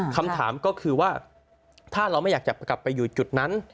คำถามก็คือว่าถ้าเราไม่อยากจะกลับไปอยู่จุดนั้น